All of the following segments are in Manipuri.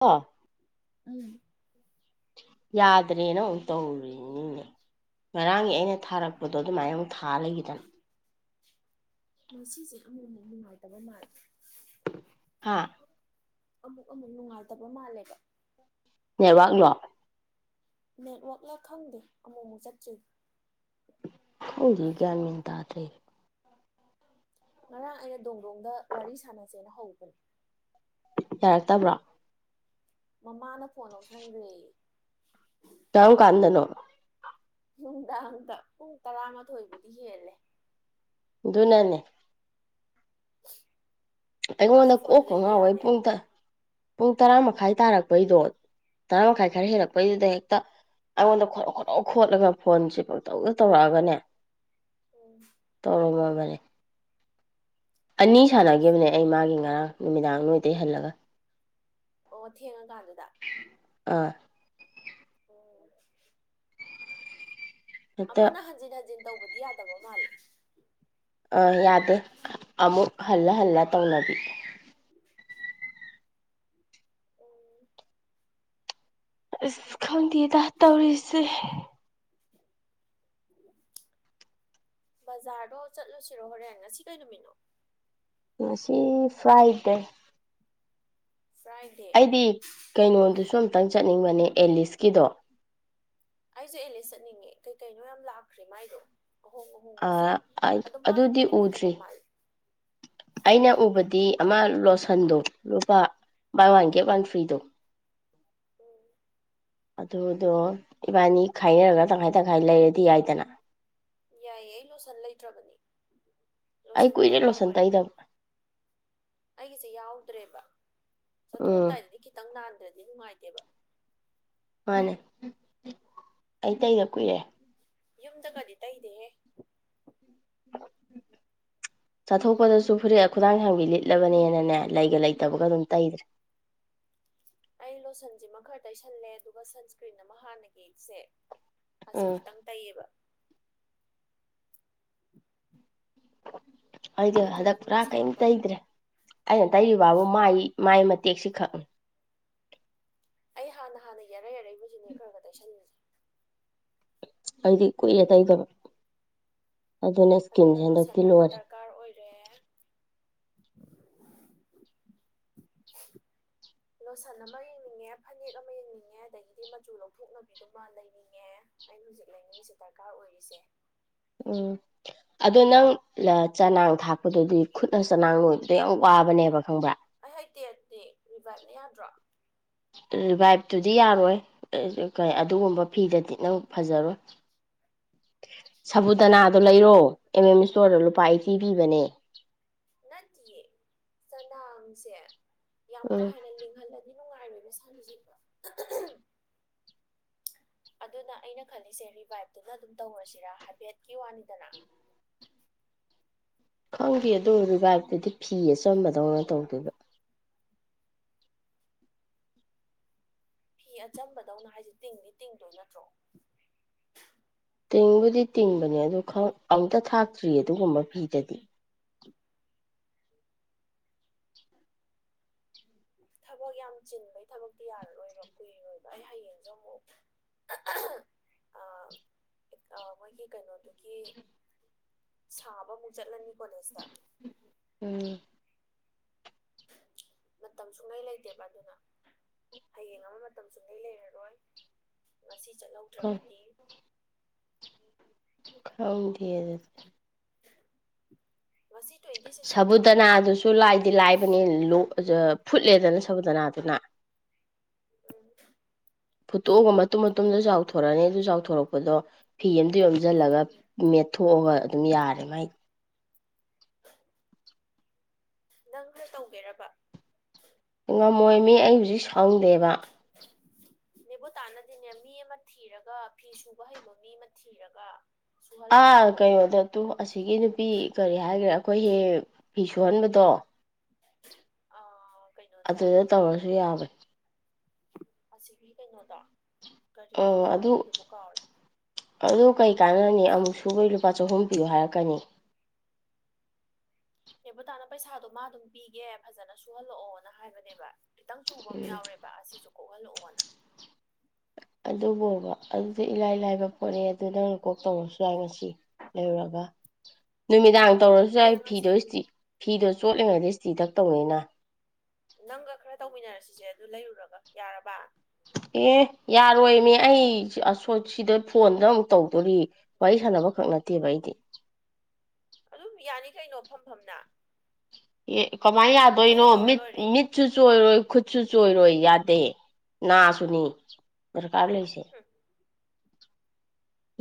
ꯑꯣ ꯎꯝ ꯌꯥꯗ꯭ꯔꯦꯅ ꯃꯨꯛ ꯇꯧꯔꯤꯅꯤꯅꯦ ꯉꯔꯥꯡꯒꯤ ꯑꯩꯅ ꯊꯥꯔꯛꯄꯗꯣ ꯑꯗꯨꯃꯥꯏꯅ ꯑꯃꯨꯛ ꯊꯥ ꯂꯩꯒꯤꯗꯅ꯫ ꯉꯁꯤꯖꯦ ꯑꯃꯨꯛ ꯃꯨꯛ ꯅꯨꯡꯉꯥꯏꯇꯕ ꯃꯥꯜ ꯍꯥꯥ ꯑꯃꯨꯛ ꯑꯃꯨꯛ ꯅꯨꯡꯉꯥꯏꯇꯕ ꯃꯥꯜꯂꯦꯕ꯫ ꯑꯦꯋꯥꯥꯛꯂꯣ ꯅꯦꯠꯋꯥꯛꯂ ꯈꯪꯗꯦ ꯑꯃꯨꯛ ꯃꯨꯛ ꯆꯠꯇ꯭ꯔꯤ ꯈꯪꯗꯦ ꯒ꯭ꯌꯥꯟ ꯃꯦꯟ ꯇꯥꯗ꯭ꯔꯦ꯫ ꯉꯔꯥꯡ ꯑꯩꯅ ꯗꯣꯡꯗꯣꯡꯗ ꯋꯥꯔꯤ ꯁꯥꯟꯅꯖꯦꯅ ꯍꯧꯕꯅꯤ꯫ ꯌꯥꯔꯛꯇꯥꯕ꯭ꯔꯣ ꯃꯃꯥꯅ ꯐꯣꯟ ꯂꯧꯁꯟꯒ꯭ꯔꯦꯌꯦ ꯇꯥꯝ ꯀꯥꯟꯗꯅꯣ ꯅꯨꯡꯗꯥꯡꯗ ꯄꯨꯡ ꯇꯔꯥꯃꯥꯊꯣꯏꯕꯨꯗꯤ ꯍꯦꯜꯂꯦ꯫ ꯗꯨꯅꯅꯦ ꯃꯥꯒꯤ ꯑꯩꯉꯣꯟꯗ ꯀꯣꯛꯄ ꯐꯣꯟꯗꯨꯗꯩꯗꯤ ꯉꯥꯎꯋꯩ ꯌꯥꯗꯦꯅ ꯄꯨꯡ ꯇ ꯄꯨꯡ ꯇꯔꯥ ꯃꯈꯥꯏ ꯇꯥꯔꯛꯄꯩꯗꯣ ꯇꯔꯥ ꯃꯈꯥꯏ ꯈꯔ ꯎꯝ ꯍꯦꯜꯂꯛꯄꯩꯗꯨꯗ ꯍꯦꯛꯇ ꯑꯩꯉꯣꯟꯗ ꯈꯣꯔꯣ ꯈꯣꯔꯣ ꯈꯣꯠꯂꯒ ꯐꯣꯟꯖꯦ ꯄꯪꯇꯧꯗ ꯇꯧꯔꯛꯑꯒꯅꯦ ꯎꯝ ꯇꯧꯔꯝꯃꯕꯅꯦ ꯑꯅꯤ ꯑꯩꯅ ꯑꯃꯨꯛ ꯁꯥꯟꯅꯒꯤꯕꯅꯦ ꯐꯣꯟ ꯑꯩ ꯃꯥꯒꯤ ꯉꯔꯥꯡ ꯅꯨꯃꯤꯗꯥꯡ ꯅꯣꯏꯗꯩ ꯍꯜꯂꯒ꯫ ꯑꯣ ꯊꯦꯡꯉꯀꯥꯟꯗꯨꯗ ꯑ [inaudible] ꯍꯦꯛꯇ ꯑꯃꯅ ꯍꯟꯖꯤꯟ ꯍꯟꯖꯤꯟ ꯇꯧꯕꯗꯤ ꯌꯥꯗꯕ ꯃꯥꯜꯂꯤ꯫ ꯑ ꯌꯥꯗꯦ ꯑꯃꯨꯛ ꯍꯜꯂ ꯍꯜꯂ ꯇꯧꯅꯕꯤ꯫ ꯎꯝ ꯑꯁ ꯈꯪꯗꯦꯗ ꯇꯧꯔꯤꯁꯦ ꯕꯖꯥꯔꯗꯣ ꯆꯠꯂꯨꯁꯤꯔꯣ ꯍꯣꯔꯦꯟ ꯉꯁꯤ ꯀꯩ ꯅꯨꯃꯤꯠꯅꯣ꯫ ꯉꯁꯤ ꯐ꯭ꯔꯥꯏꯗꯦ ꯐ꯭ꯔꯥꯏꯗꯦ ꯑꯩꯗꯤ ꯀꯩꯅꯣꯗꯨꯁꯨ ꯑꯝꯇꯪ ꯆꯠꯅꯤꯡꯕꯅꯦ ꯑꯦꯂꯤꯁꯀꯤꯗꯣ꯫ ꯑꯩꯖꯨ ꯑꯦꯂꯤꯁ ꯆꯠꯅꯤꯡꯉꯦ ꯀꯩ ꯀꯩꯅꯣ ꯌꯥꯝ ꯂꯥꯛꯈ꯭ꯔꯦ ꯃꯥꯏꯗꯣ꯫ ꯑꯍꯣꯡ ꯑꯍꯣꯡꯕꯖꯨ ꯑꯗꯣ ꯃꯥꯒꯤ ꯑꯗꯨꯗꯤ ꯄꯣꯠꯇꯣ ꯐꯠꯇꯕ ꯎꯗ꯭ꯔꯤ ꯃꯥꯜ ꯑꯩꯅ ꯎꯕꯗꯤ ꯑꯃꯥ ꯂꯣꯁꯟꯗꯣ ꯂꯨꯄꯥ ꯕꯥꯏ ꯋꯥꯟ ꯒꯦꯠ ꯋꯥꯟ ꯐ꯭ꯔꯤꯗꯣ ꯎꯝ ꯑꯗꯨꯗꯣ ꯏꯕꯥꯅꯤ ꯈꯥꯏꯅꯔꯒ ꯇꯪꯈꯥꯏ ꯇꯪꯈꯥꯏ ꯂꯩꯔꯗꯤ ꯌꯥꯏꯗꯅ ꯌꯥꯏꯌꯦ ꯑꯩ ꯂꯣꯁꯟ ꯂꯩꯇ꯭ꯔꯕꯅꯤ ꯑꯩ ꯂꯣꯁꯟ ꯀꯨꯏꯔꯦ ꯗꯔꯀꯥꯔ ꯂꯣꯁꯟ ꯑꯣꯏꯔꯦ ꯇꯩꯗꯕ ꯑꯩꯒꯤꯁꯦ ꯌꯥꯎꯗ꯭ꯔꯦꯕ ꯎꯝ ꯆꯠꯊꯣꯛꯑꯝꯗꯥꯏꯗꯗꯤ ꯈꯤꯇꯪ ꯅꯥꯟꯗ꯭ꯔꯗꯤ ꯅꯨꯡꯉꯥꯏꯇꯦꯕ ꯃꯥꯅꯦ ꯑꯩꯇꯩꯒ ꯀꯨꯏꯔꯦ [unintelligible] ꯌꯨꯝꯗ ꯀꯗꯤ ꯇꯩꯗꯦꯍꯦ ꯎꯝ ꯎꯝ [inaudible] ꯆꯥꯊꯣꯛꯄꯗꯁꯨ ꯐꯨꯔꯤꯠ ꯈꯨꯗꯥꯡ ꯍꯥꯡꯕꯤ ꯂꯤꯠꯂꯕꯅꯦꯅꯅꯦ ꯂꯩꯒ ꯂꯩꯇꯕꯒ ꯑꯗꯨꯝ ꯇꯩꯗ꯭ꯔꯦ꯫ [inaudible] ꯑꯩ ꯂꯣꯁꯟꯁꯤꯃ ꯈꯔ ꯇꯩꯁꯜꯂꯦ ꯑꯗꯨꯒ ꯁꯟꯁꯀ꯭ꯔꯤꯟ ꯑꯃ ꯍꯥꯟꯅꯒꯤꯁꯦ ꯑꯁꯤ ꯎꯝ ꯈꯤꯇꯪ ꯇꯩꯌꯦꯕ ꯑꯩꯗꯤ ꯍꯟꯗꯛ ꯅꯠꯇ꯭ꯔꯗꯤ ꯄꯨꯔꯥ ꯀꯩꯝ ꯅꯨꯡꯁꯥꯗ ꯇꯩꯗ꯭ꯔꯦ ꯑꯩꯅ ꯇꯩꯔꯤꯕ ꯕꯥꯕꯨ ꯃꯥꯏ ꯃꯥꯏ ꯇꯦꯛꯁꯤ ꯈꯥ [unintelligible] ꯑꯩ ꯍꯥꯟꯅ ꯍꯥꯟꯅ ꯌꯥꯔ ꯌꯥꯔꯛꯏꯕꯁꯤꯅꯦ ꯈꯔ ꯈ ꯇꯩꯁꯟꯂꯁꯦ꯫ ꯑꯩꯗꯤ ꯀꯨꯏꯔꯦ ꯇꯥꯏꯗꯕ ꯑꯗꯨꯅ ꯂꯣꯠꯁꯤꯟ ꯑꯃ ꯗꯔꯀꯥꯔ ꯑꯣꯏꯔꯦ [inaudible] ꯂꯣꯁꯟ ꯑꯃ ꯌꯦꯡꯅꯤꯡꯉꯦ ꯐꯅꯦꯛ ꯑꯃ ꯌꯦꯡꯅꯤꯡꯉꯦ ꯑꯗꯒꯤꯗꯤ ꯃꯆꯨ ꯂꯧꯊꯣꯛꯅꯕꯤꯗꯨꯃ ꯂꯩꯅꯤꯡꯉꯦ ꯑꯩꯅ ꯍꯧꯖꯤꯛ ꯂꯩꯅꯤꯪꯂꯤꯁꯦ ꯗꯔꯀꯥꯔ ꯑꯣꯏꯔꯤꯁꯦ ꯎꯝ ꯑꯗꯣ ꯅꯪ ꯆꯅꯥꯡ ꯊꯥꯛꯄꯗꯗꯤ ꯈꯨꯠꯅ ꯆꯅꯥꯡ ꯂꯣꯏꯕꯗꯣ ꯌꯥꯝ ꯋꯥꯕꯅꯦꯕ ꯈꯪꯕ꯭ꯔꯥ ꯑꯩ ꯍꯥꯏꯩꯇꯦꯠꯇ ꯔꯤꯚꯥꯏꯞꯅꯦ ꯌꯥꯗ꯭ꯔꯣ? ꯔꯤꯚꯥꯏꯚꯇꯨꯗꯤ ꯌꯥꯔꯣꯏ ꯑꯗꯨꯒꯨꯝꯕ ꯐꯤꯗꯗꯤ ꯅꯪ ꯐꯖꯔꯣꯏ꯫ [inaudible] ꯁꯕꯨꯨꯗꯅꯥꯗꯣ ꯂꯩꯔꯣ ꯑꯦꯝ ꯑꯦꯝ ꯏꯁꯇꯣꯔꯗ ꯂꯨꯄꯥ ꯑꯩꯇꯤ ꯄꯤꯕꯅꯦ꯫ ꯅꯠꯇꯦꯌꯦ ꯆꯅꯥꯁꯦ ꯌꯥꯝ ꯀꯥ ꯎꯝ ꯍꯦꯟꯅ ꯂꯤꯡꯍꯜꯂ ꯅꯨꯡꯉꯥꯏꯔꯅꯦ [unintelligible] [inaudible] ꯑꯗꯨꯅ ꯑꯩꯅ ꯈꯜꯂꯤꯁꯦ ꯔꯤꯚꯥꯏꯚꯇꯨꯅ ꯑꯗꯨꯝ ꯇꯧꯔꯁꯤꯔ ꯍꯥꯏꯐꯦꯠꯀꯤ ꯋꯥꯅꯤꯗꯅ [inaudible] ꯈꯪꯗꯦ ꯑꯗꯨ ꯔꯤꯚꯇꯨꯗꯤ ꯐꯤ ꯑꯆꯝꯕꯗꯧꯅ ꯇꯧꯗꯣꯏꯕ꯫ ꯐꯤ ꯑꯆꯝꯕꯗꯧꯅ ꯍꯥꯏꯁꯦ ꯇꯤꯡꯅꯤ ꯇꯤꯡꯗꯣꯏ ꯅꯠꯇ꯭ꯔꯣ ꯇꯤꯡꯕꯨꯗꯤ ꯇꯤꯡꯕꯅꯦ ꯑꯗꯨ ꯑꯝꯇ ꯊꯥꯛꯇ꯭ꯔꯤ ꯑꯗꯨꯒꯨꯝꯕ ꯐꯤꯗꯗꯤ ꯊꯕꯛ ꯌꯥꯝ ꯆꯤꯟꯕꯒꯤ ꯊꯕꯛꯇꯤ ꯌꯥꯔꯔꯣꯏꯕ ꯀꯨꯏꯔꯣꯏꯕ ꯑꯩ ꯍꯌꯦꯡꯁꯨ ꯑꯃꯨꯛ ꯑꯥ [inaudible] ꯑꯥ ꯃꯣꯏꯒꯤ ꯀꯩꯅꯣꯗꯨꯒꯤ ꯁꯥꯕꯃꯨꯛ ꯆꯠꯂꯅꯤ ꯀꯣꯂꯦꯖꯇ ꯎꯝ [inaudible] ꯃꯇꯝ ꯁꯨꯡꯂꯩ ꯂꯩꯇꯦꯕ ꯑꯗꯨꯅ ꯍꯌꯦꯡ ꯑꯃ ꯃꯇꯝ ꯁꯨꯡꯂꯩ ꯂꯩꯔꯔꯣꯏ ꯉꯁꯤ ꯎꯝ ꯆꯠꯍꯧꯗ꯭ꯔꯕꯗꯤ ꯈꯪꯗ‌ꯦ ꯑꯗꯨꯗꯤ ꯉꯁꯤ ꯇ꯭ꯋꯦꯟꯇꯤ ꯁꯤꯛꯁ ꯅꯠꯇ꯭ꯔꯣ ꯁꯕꯨꯗꯅꯥꯗꯨꯁꯨ ꯂꯥꯏꯗꯤ ꯂꯥꯏꯕꯅꯤ ꯂꫭꯛ ꯖ ꯐꯨꯠꯂꯦꯗꯅ ꯁꯧꯕꯨꯗꯅꯥ ꯑꯗꯨꯅ ꯎꯝ ꯐꯠꯇꯣꯒ ꯃꯇꯨꯝ ꯃꯇꯣꯝꯗꫭ ꯆꯥꯎꯊꯣꯔꯛꯑꯅꯤ ꯑꯗꯨ ꯆꯥꯎꯊꯣꯔꯛꯄꯗꯣ ꯐꯤ ꯑꯗ ꯌꯣꯝꯁꯤꯜꯂꯒ ꯃꯦꯠꯊꯣꯛꯑꯒ ꯑꯗꯨꯝ ꯌꯥꯔꯦ ꯃ ꯃꯥꯏ [unintelligible] ꯅꯪꯒꯥ ꯇꯧꯒꯦꯔꯕ ꯉꯝꯃꯣꯏ ꯃꯤ ꯑꯩ ꯍꯧꯖꯤꯛ ꯁꯪꯗꯦꯕ ꯅꯦꯕꯨꯇꯥꯟ ꯅꯗꯤꯅꯦ ꯃꯤ ꯑꯃ ꯊꯤꯔꯒ ꯐꯤ ꯁꯨꯕ ꯍꯩꯕ ꯃꯤ ꯑꯃ ꯊꯤꯔꯒ ꯁꯨꯍꯜꯂꯣ ꯑꯥ ꯍꯥꯏꯕꯅꯦꯕ ꯀꯩꯅꯣꯗ ꯇꯨ ꯑꯁꯤꯒꯤ ꯅꯨꯄꯤ ꯀꯔꯤ ꯍꯥꯏꯈ꯭ꯔꯦ ꯑꯩꯈꯣꯏ ꯍꯦ ꯐꯤ ꯁꯨꯍꯟꯕ ꯇꯣ ꯀꯩꯅꯣꯁꯦ ꯑꯗꯨꯗ ꯇꯧꯔꯁꯨ ꯌꯥꯕꯅ‌ꯦ ꯑꯁꯤꯒꯤ ꯀꯩꯅꯣꯗ ꯑꯣ ꯑꯗꯨ ꯑꯗꯨ ꯀꯩ ꯀꯥꯟꯅꯔꯅꯤ ꯑꯃꯨꯛ ꯁꯨꯕꯩ ꯂꯨꯄꯥ ꯆꯍꯨꯝ ꯄꯤꯌꯨ ꯍꯥꯏꯔꯛꯀꯅꯤ ꯅ‌ꯦꯕꯨꯇꯥꯅ ꯄꯩꯁꯥꯗꯣ ꯃꯥ ꯑꯗꯨꯝ ꯄꯤꯒꯦ ꯐꯖꯅ ꯁꯨꯍꯜꯂꯛꯑꯣꯅ ꯍꯥꯏꯕꯅꯦꯕ ꯈꯤꯇꯪ ꯆꯨꯕ ꯑꯃ ꯎꯝ ꯌꯥꯎꯔꯦꯕ ꯑꯁꯤꯁꯨ ꯀꯣꯛꯍꯜꯂꯛꯑꯣꯅ ꯑꯗꯨꯕꯣꯕ ꯑꯗꯨꯗꯤ ꯏꯂꯥꯏ ꯂꯥꯏꯕ ꯄꯣꯠꯅꯦ ꯑꯗꯨ ꯅꯪꯅ ꯀꯣꯛ ꯇꯧꯔꯁꯨ ꯌꯥꯏ ꯉꯁꯤ ꯂꯩꯔꯨꯔꯒ ꯅꯨꯃꯤꯗꯥꯡ ꯇꯧꯔꯁꯨ ꯌꯥꯏ ꯐꯤꯗꯣ ꯌꯦꯡꯉꯁꯦ ꯏꯁꯇꯤ ꯐꯤꯗꯣ ꯆꯣꯠꯂꯤꯉꯩꯗ ꯏꯁꯇꯤ ꯇꯛ ꯇꯧꯅꯤꯅ ꯅꯪꯒ ꯈꯔ ꯇꯧꯃꯤꯟꯅꯔꯁꯤꯁꯦ ꯑꯗꯨ ꯂꯩꯔꯨꯔꯒ ꯌꯥꯔꯕ ꯑꯦ ꯌꯥꯔꯣꯏꯃꯤ ꯑꯩ ꯁꯤ ꯑꯁꯣꯏꯠ ꯁꯤꯗ ꯐꯣꯟꯗ ꯑꯃꯨꯛ ꯇꯧꯗꯣꯔꯤ ꯋꯥꯔꯤ ꯁꯥꯟꯅꯕꯈꯛ ꯅꯠꯇꯦꯕ ꯑꯩꯗꯤ ꯑꯗꯨꯝ ꯌꯥꯅꯤ ꯀꯩꯅꯣ ꯐꯝꯐꯝꯅ ꯑꯦ ꯀꯃꯥꯏ ꯌꯥꯗꯣꯏꯅꯣ ꯃꯤꯠ ꯂꯣꯏꯔꯦ ꯃꯤꯠꯁꯨ ꯆꯣꯏꯔꯣꯏ ꯈꯨꯠꯁꯨ ꯆꯣꯏꯔꯣꯏ ꯌꯥꯗ ꯗꯦ ꯅ ꯁꯨꯅꯤ ꯗꯔꯀꯥ ꯂꯩꯁꯦ ꯍꯨꯝ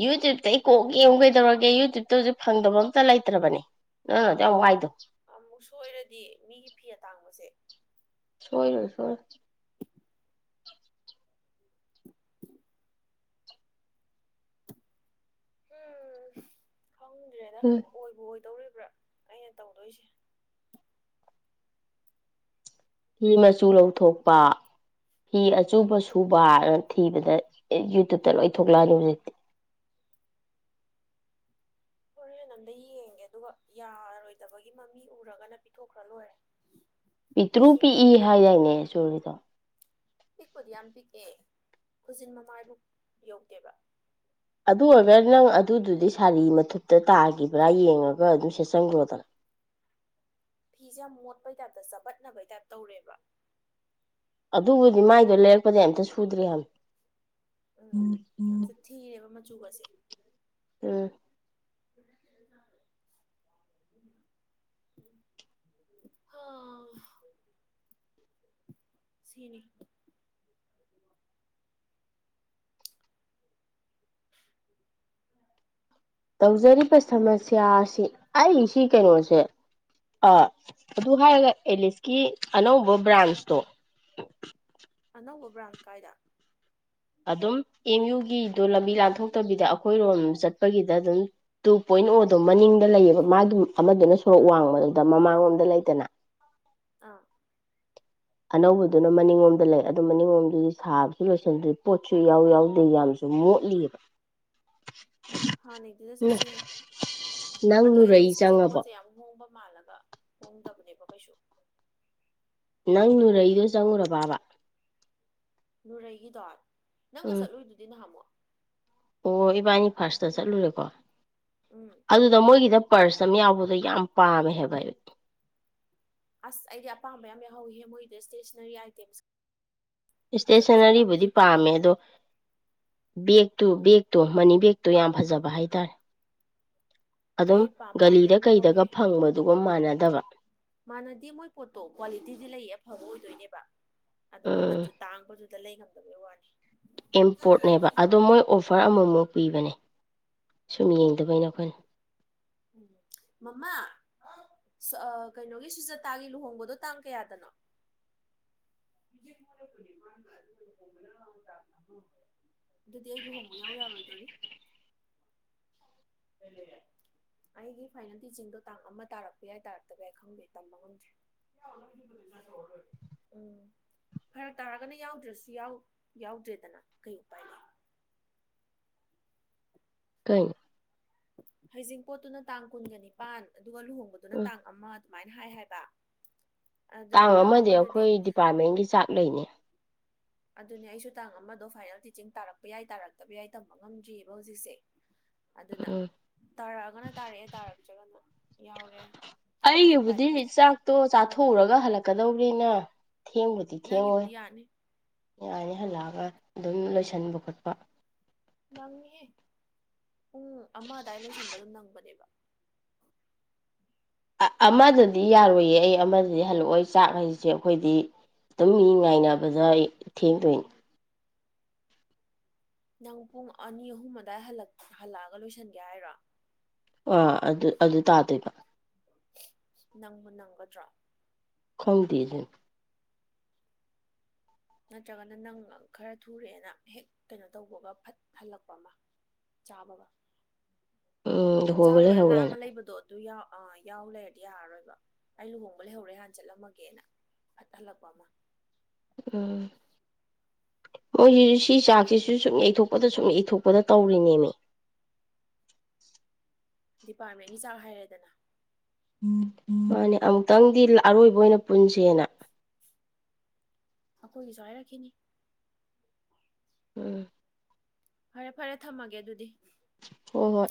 ꯌꯨꯇ꯭ꯌꯨꯞꯇꯩ ꯀꯣꯛ ꯌꯦꯡꯉꯨ ꯀꯩꯗꯧꯔꯒꯦ ꯌꯨꯇ꯭ꯌꯨꯞꯇ ꯍꯧꯖꯤꯛ ꯐꯪꯗꯕ ꯑꯝꯇ ꯂꯩꯇ꯭ꯔꯕꯅꯤ ꯅꯪ ꯑꯗꯨꯛꯌꯥꯝ ꯋꯥꯏꯗꯣ ꯑꯃꯨꯛ ꯁꯣꯏꯔꯗꯤ ꯃꯤꯒꯤ ꯐꯤ ꯑꯇꯥꯡꯕꯁꯦ ꯁꯣꯏꯔꯣꯏ ꯁꯣꯏꯔꯣꯏ ꯍꯨꯝ ꯈꯪꯗ꯭ꯔꯦꯗ ꯎꯝ ꯑꯣꯏꯕꯩ ꯑꯣꯏꯗꯧꯔꯤꯕ ꯄꯨꯔꯥ ꯑꯩꯅ ꯇꯧꯗꯣꯏꯁꯦ ꯐꯤ ꯃꯆꯨ ꯂꯧꯊꯣꯛꯄ ꯐꯤ ꯑꯆꯨꯕ ꯁꯨꯕ ꯅꯥ ꯊꯤꯕꯗ ꯌꯨꯇꯨꯞꯇ ꯂꯣꯏ ꯊꯣꯛꯂꯛꯑꯅꯤ ꯍꯧꯖꯤꯛꯇꯤ ꯍꯣꯔꯦꯟ ꯑꯝꯗ ꯌꯦꯡꯒꯦ ꯑꯗꯨꯒ ꯌꯥꯔꯣꯏꯗꯕꯒꯤ ꯃꯃꯤ ꯎꯔꯒꯅ ꯄꯤꯊꯣꯛꯈ꯭ꯔ ꯂꯣꯏꯔꯦ ꯄꯤꯇ꯭ꯔꯨ ꯁꯨꯕ ꯄꯤꯛꯏ ꯃꯤꯗ ꯍꯥꯏ ꯌꯥꯏꯗꯥꯏꯅꯦ ꯆꯨꯔꯤꯗꯣ ꯄꯤꯛꯄꯨꯗꯤ ꯌꯥꯝ ꯄꯤꯛꯑꯦ ꯈꯨꯖꯤꯟ ꯃꯃꯥꯏꯕꯨꯛ ꯌꯧꯗꯦꯕ ꯑꯗꯨ ꯑꯣꯏꯔꯒ ꯅꯪ ꯑꯗꯨꯗꯨꯗꯤ ꯁꯥꯔꯤ ꯃꯊꯨꯞꯇ ꯇꯥꯒꯤꯕ꯭ꯔꯥ ꯌꯦꯡꯉꯒ ꯑꯗꯨꯝ ꯁꯦꯠꯆꯟꯈ꯭ꯔꯣꯗꯅ [inaudible] ꯐꯤꯁꯦ ꯌꯥꯝ ꯃꯣꯠꯄꯩ ꯇꯥꯏꯞꯇ ꯆꯥꯕꯠꯅꯕꯩ ꯇꯥꯏꯞ ꯇꯧꯔꯦꯕ ꯑꯗꯨꯕꯨꯗꯤ ꯃꯥꯏꯗꯣ ꯂꯩꯔꯛꯄꯗꯩ ꯑꯝꯇ ꯁꯨꯗ꯭ꯔꯤ ꯍꯥꯏꯝꯕꯅꯤ ꯎꯝ ꯌꯥꯝꯁꯨ ꯊꯤꯔꯦꯕ ꯃꯆꯨꯒꯁꯦ ꯎꯝ [unintelligible] ꯍꯥ [inaudible] ꯁꯤꯅꯤ ꯇꯧꯖꯔꯤꯕ ꯁꯃꯁ꯭ꯌꯥꯁꯤ ꯑꯩ ꯁꯤ ꯀꯩꯅꯣꯁꯦ ꯑꯥ ꯑꯗꯨ ꯍꯥꯏꯔꯒ ꯑꯦꯂꯤꯁꯀꯤ ꯑꯅꯧꯕ ꯕ꯭ꯔꯥꯟꯁꯇꯣ [inaudible] ꯑꯅꯧꯕ ꯕ꯭ꯔꯥꯟꯁ ꯀꯥꯏꯗ ꯑꯗꯨꯝ ꯑꯦꯝꯌꯨ ꯒꯤꯗꯣ ꯂꯝꯕꯤ ꯂꯥꯟꯊꯣꯛꯇꯕꯤꯗꯥ ꯈꯣꯏꯔꯣꯝ ꯆꯠꯄꯒꯤꯗ ꯑꯗꯨꯝ ꯇꯨ ꯄꯣꯏꯟ ꯑꯣꯗꯣ ꯃꯅꯤꯡꯗ ꯂꯩꯌꯦꯕ ꯃꯥꯒꯤ ꯑꯃꯗꯨꯅ ꯁꯣꯔꯣꯛ ꯋꯥꯡꯃ ꯗꯗ ꯃꯃꯥꯡꯂꯣꯝꯗ ꯂꯩꯗꯅ ꯑꯥ ꯑꯅꯧꯕꯗꯨꯅ ꯃꯅꯤꯡꯂꯣꯝꯗ ꯂꯩ ꯑꯗꯨ ꯃꯅꯤꯡꯂꯣꯝꯒꯤꯗꯤ ꯁꯥꯕꯁꯨ ꯂꯣꯏꯁꯤꯟꯗ꯭ꯔꯤ ꯄꯣꯠꯁꯨ ꯌꯥꯎ ꯌꯥꯎꯗꯦ ꯌꯥꯝ ꯃꯣꯠꯂꯤꯕ ꯍꯥꯟꯅꯩꯗꯨꯗ ꯆꯠꯁꯦꯍꯦ ꯅꯪ ꯑꯗꯣ ꯅꯨꯔꯩ ꯑꯦꯂꯤꯁꯀꯤꯁꯦ ꯆꯪꯉꯕꯣ ꯄꯣꯠꯁꯦ ꯌꯥꯝ ꯍꯣꯡꯕ ꯃꯥꯜꯂꯒ ꯍꯣꯡꯗꯕꯅꯦꯕ ꯀꯩꯁꯨ ꯅꯪ ꯅꯨꯨꯔꯩꯗꯨ ꯆꯪꯉꯨꯔꯕꯕ ꯅꯨꯔꯩꯒꯤꯗꯣ ꯅꯪꯒ ꯎꯝ ꯆꯠꯂꯨꯏꯗꯨꯗꯤ ꯅꯍꯥꯝꯃꯣ ꯑꯣ ꯏꯕꯥꯅꯤ ꯐꯥꯔꯁꯇ ꯆꯠꯂꯨꯔꯦꯀꯣ ꯎꯝ ꯑꯗꯨꯗ ꯃꯣꯏꯒꯤꯗ ꯄꯔꯁ ꯑꯃ ꯌꯥꯎꯕꯗꯣ ꯌꯥꯝ ꯄꯥꯝꯃꯦ ꯍꯥꯏꯕ ꯑꯩ ꯑꯥꯁ ꯑꯩꯗꯤ ꯑꯄꯥꯝꯕ ꯌꯥꯝ ꯌꯥꯍꯧꯋꯤꯍꯦ ꯃꯣꯏꯗ ꯏꯁꯇꯦꯁꯤꯟꯅꯔꯤ ꯑꯥꯏꯇꯦꯝꯁꯆꯡ ꯏꯁꯇꯦꯁꯟꯅꯔꯤꯕꯨꯗꯤ ꯄꯥꯝꯃꯦ ꯑꯗꯣ ꯕꯦꯛꯇꯨ ꯕꯦꯛꯇꯣ ꯃꯅꯤ ꯕꯦꯛꯇꯣ ꯌꯥꯝ ꯐꯖꯕ ꯍꯥꯏꯇꯥꯔꯦ ꯑꯗꯨꯝ ꯑꯩ ꯄꯥꯝ ꯄꯥꯝꯕ ꯒꯂꯤꯗ ꯌꯥꯝ ꯀꯩꯗꯒ ꯐꯪꯕꯗꯨꯒ ꯃꯥꯟꯅꯗꯕ ꯃꯥꯟꯅꯗꯦ ꯃꯣꯏ ꯄꯣꯠꯇꯣ ꯀ꯭ꯋꯥꯂꯤꯇꯤꯗꯤ ꯂꯩꯌꯦ ꯑꯐꯕ ꯑꯣꯏꯗꯣꯏꯅꯦꯕ ꯑꯗ ꯎꯝ ꯃꯃꯜꯖꯨ ꯇꯥꯡꯕꯗꯨꯗꯥ ꯂꯩꯉꯝꯗꯕꯩ ꯋꯥꯅꯦ ꯏꯝꯄꯣꯔ꯭ꯠꯅꯦꯕ ꯑꯗꯨ ꯃꯣꯏ ꯑꯣꯐ꯭ꯔ ꯑꯃꯨꯃꯨꯛ ꯄꯤꯕꯅꯦ ꯁꯨꯝ ꯌꯦꯡ ꯃꯃꯥ ꯍꯥꯎ ꯑꯁ ꯑ ꯀꯩꯅꯣꯒꯤ ꯁꯨꯖꯇꯥꯒꯤ ꯂꯨꯍꯣꯡꯕꯗꯣ ꯇꯥꯡ ꯀꯌꯥꯗꯅꯣ [unintelligible] ꯑꯗꯨꯗꯤ ꯑꯩ ꯂꯨꯍꯣꯡꯕ ꯌꯥꯎ ꯌꯥꯔꯣꯏꯗꯣꯔꯤ ꯀꯔꯤ ꯑꯩꯒꯤ ꯐꯥꯏꯅꯦꯜ ꯇꯤꯆꯤꯡꯗꯣ ꯇꯥꯡ ꯑꯃ ꯇꯥꯔꯛꯄ ꯌꯥꯏ ꯇꯥꯔꯛꯇꯕ ꯌꯥꯏ ꯈꯪꯗꯦ ꯇꯝꯕ ꯉꯝꯗꯦ ꯎꯝ ꯐꯔꯛ ꯇꯥꯔꯒꯅ ꯌꯥꯎꯗ꯭ꯔꯁꯨ ꯌꯥꯎꯗ꯭ꯔꯦꯗꯅ ꯀꯩ ꯎꯄꯥꯏ ꯂꯩ ꯀꯩ ꯍꯩꯖꯤꯡꯄꯣꯠꯇꯨꯅ ꯇꯥꯡ ꯀꯨꯟꯒ ꯅꯤꯄꯥꯟ ꯑꯗꯨꯒ ꯂꯨꯍꯣꯡꯕꯗꯨꯅ ꯇꯥꯡ ꯑꯃ ꯑꯗꯨꯃꯥꯏ ꯍꯥꯏ ꯍꯥꯏꯕ ꯑꯗꯣ ꯇꯥꯡ ꯑꯃꯗꯤ ꯑꯃꯗꯨꯗꯤ ꯑꯩꯈꯣꯏ ꯗꯤꯄꯥꯔ꯭ꯠꯃꯦꯟꯒꯤ ꯆꯥꯛ ꯂꯩꯅꯦ ꯑꯗꯨꯅꯦ ꯑꯩꯁꯨ ꯇꯥꯡ ꯑꯃꯗꯣ ꯐꯥꯏꯅꯦꯜ ꯇꯤꯆꯤꯡ ꯇꯥꯔꯛꯄ ꯌꯥꯏ ꯇꯥꯔꯛꯇꯕ ꯌꯥꯏ ꯇꯝꯕ ꯉꯝꯗ꯭ꯔꯤꯕ ꯍꯧꯖꯤꯛꯁꯦ [inaudible] ꯑꯗꯨꯅꯥ ꯎꯝ ꯇꯥꯔꯛꯑꯒꯅꯥ ꯇꯥꯔꯛꯑꯦ ꯇꯥꯔꯛꯇ꯭ꯔꯒꯅ ꯌꯥꯎꯔꯦ ꯇꯥꯔꯛꯑꯗꯤ ꯎꯄꯥꯏ ꯑꯩꯒꯤꯕꯨꯗꯤ ꯂꯩꯇ꯭ꯔꯦ ꯆꯥꯛꯇꯣ ꯆꯥꯊꯣꯛꯎꯔꯒ ꯍꯜꯂꯛꯀꯗꯧꯅꯤꯅ ꯊꯦꯡꯕꯨꯗꯤ ꯊꯦꯡꯉꯣꯏ ꯅꯪꯒꯤꯕꯨꯗꯤ ꯌꯥꯅꯤ ꯌꯥꯅꯤ ꯍꯜꯂꯛꯑꯒ ꯑꯗꯨꯝ ꯂꯣꯏꯁꯟꯕ ꯈꯣꯠꯄ ꯅꯪꯅꯤꯍꯦ ꯄꯨꯡ ꯑꯃ ꯑꯗꯥꯏ ꯂꯣꯏꯁꯟꯕ ꯑꯗꯨꯝ ꯅꯪꯕꯅꯦꯕ ꯑꯃꯗꯗꯤ ꯌꯥꯔꯣꯏꯌꯦ ꯑꯩ ꯑꯃꯗꯗꯤ ꯍꯜꯂꯛꯑꯣꯏ ꯆꯥꯛ ꯍꯥꯏꯁꯦ ꯑꯩꯈꯣꯏꯗꯤ ꯑꯗꯨꯝ ꯃꯤ ꯉꯥꯏꯅꯕꯗ ꯑꯩ ꯊꯦꯡꯗꯣꯏꯅꯤ ꯅꯪ ꯄꯨꯡ ꯑꯅꯤ ꯑꯍꯨꯝ ꯑꯗꯥꯏ ꯍꯜꯂꯛ ꯍꯜꯂꯛꯑꯒ ꯂꯣꯏꯁꯟꯒꯦ ꯍꯥꯏꯔꯣ ꯑꯥ ꯑꯗꯨ ꯑꯗꯨ ꯇꯥꯗꯣꯏꯕ ꯅꯪꯕꯨ ꯅꯪꯒꯗ꯭ꯔꯣ ꯈꯪꯗꯦ ꯗꯨ ꯅꯠꯇ꯭ꯔꯒꯅ ꯅꯪ ꯈꯔ ꯊꯨꯔꯦꯅ ꯍꯦꯛ ꯀꯩꯅꯣ ꯇꯧꯕꯒ ꯐꯠ ꯍꯜꯂꯛꯄ ꯑꯃ ꯆꯥꯕꯒ ꯎꯝ ꯆꯥ ꯂꯨꯍꯣꯡꯕ ꯂꯣꯏꯔ ꯂꯥꯡꯉ ꯂꯩꯍꯧꯋꯦꯅ ꯂꯩꯕꯗꯣ ꯑꯗꯨ ꯌꯥꯎ ꯑ ꯌꯥꯎ ꯂꯩꯔꯗꯤ ꯌꯥꯔꯔꯣꯏꯕ ꯑꯩ ꯂꯨꯍꯣꯡꯕ ꯂꯩꯍꯧꯔꯦ ꯍꯥꯟ ꯆꯠꯂꯝꯃꯒꯦꯅ ꯐꯠ ꯍꯜꯂꯛꯄꯃꯥ ꯎꯝ ꯃꯣꯏꯁꯤ ꯁꯤ ꯆꯥꯛꯁꯤꯁꯨ ꯁꯨꯝ ꯌꯩꯊꯣꯛꯄꯗ ꯁꯨꯝ ꯌꯩꯊꯣꯛꯄꯗ ꯇꯧꯔꯤꯅꯦꯃꯤ ꯗꯤꯄꯥꯔꯠꯃꯦꯟꯒꯤ ꯆꯥꯛ ꯍꯥꯏꯩꯔꯦꯗꯅ ꯃꯥꯅꯤ ꯑꯃꯨꯛꯇꯪꯗꯤ ꯑꯔꯣꯏꯕ ꯑꯣꯏꯅ ꯄꯨꯟꯁꯦꯗꯅ‌ꯦ ꯑꯩꯈꯣꯏꯒꯤꯁꯨ ꯍꯥꯏꯔꯛꯈꯤꯅꯤ ꯎꯝ ꯐꯔꯦ ꯐꯔꯦ ꯊꯝꯃꯒꯦ ꯑꯗꯨꯗꯤ ꯍꯣꯏ ꯍꯣꯏ